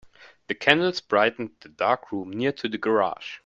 The candles brightened the dark room near to the garage.